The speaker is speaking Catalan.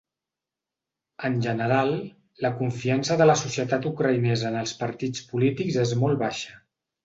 En general, la confiança de la societat ucraïnesa en els partits polítics és molt baixa.